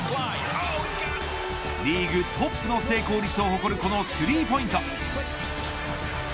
リーグトップの成功率を誇るこのスリーポイント。